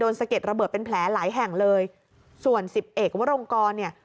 สะเก็ดระเบิดเป็นแผลหลายแห่งเลยส่วนสิบเอกวรงกรเนี่ย